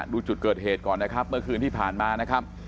ดูจุดเกิดเหตุก่อนนะครับเมื่อคืนที่ผ่านมานะครับ